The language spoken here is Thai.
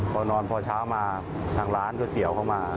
พอนอนพอเช้ามาทางร้านก๋วยเตี๋ยวเข้ามา